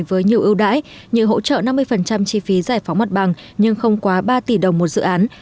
với nhiều ưu đãi như hỗ trợ năm mươi chi phí giải phóng mặt bằng nhưng không quá ba tỷ đồng một dự án